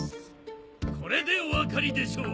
これでお分かりでしょう。